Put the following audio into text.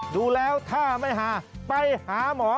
ดูแล้วถ้าไม่หาไปหาหมอ